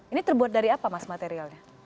ini terbuat dari apa mas materialnya